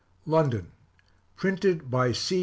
London: Printed by C.